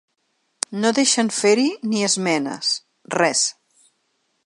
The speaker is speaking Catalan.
No deixen fer-hi ni esmenes, res.